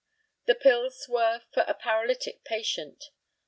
The pills were for a paralytic patient.